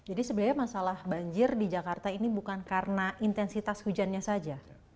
jadi sebenarnya masalah banjir di jakarta ini bukan karena intensitas hujannya saja